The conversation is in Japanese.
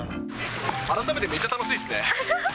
改めてめっちゃ楽しいですね。